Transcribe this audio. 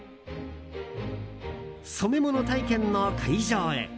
染物体験の会場へ。